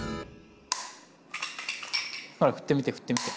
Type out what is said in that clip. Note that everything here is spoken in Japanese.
ほら振ってみて振ってみて。